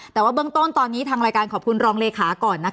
แต่ว่าเบื้องต้นตอนนี้ทางรายการขอบคุณรองเลขาก่อน